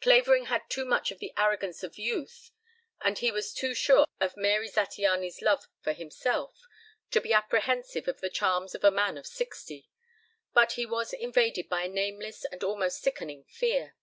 Clavering had too much of the arrogance of youth and he was too sure of Mary Zattiany's love for himself, to be apprehensive of the charms of a man of sixty, but he was invaded by a nameless and almost sickening fear.